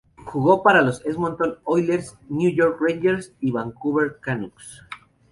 Jugó para los Edmonton Oilers, New York Rangers y Vancouver Canucks.